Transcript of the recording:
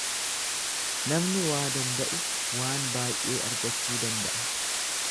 Namni waa danda'u waan baay'ee argachuu danda'a.